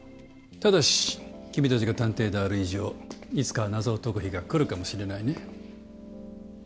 ただし君たちが探偵である以上いつかは謎を解く日が来るかもしれないね。